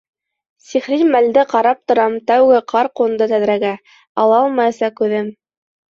Сихри мәлде ҡарап торам Тәүге ҡар ҡунды тәҙрәгә — Ала алмайса күҙем.